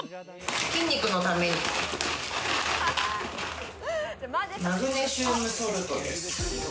筋肉のためにマグネシウムソルトです。